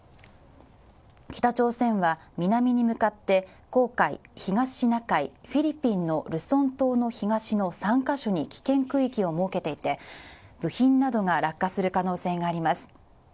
北朝鮮は南に向かって黄海、東シナ海、フィリピンのルソン島の東の３か所に危険区域を設けていて、部品などが落下する可能性があります。